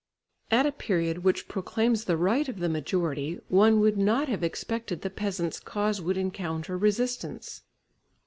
At a period which proclaims the right of the majority, one would not have expected the peasants' cause would encounter resistance.